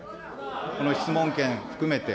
この質問権含めて。